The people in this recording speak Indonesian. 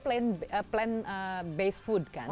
jadi kita plan base food kan